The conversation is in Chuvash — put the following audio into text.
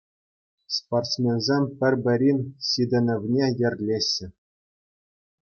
Спортсменсем пӗр-пӗрин ҫитӗнӗвне йӗрлеҫҫӗ.